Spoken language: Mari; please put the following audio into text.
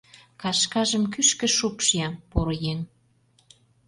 Кашкажым кӱшкӧ шупш-я, поро еҥ...